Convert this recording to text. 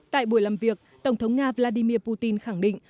tại buổi làm việc tổng thống nga vladimir putin khẳng định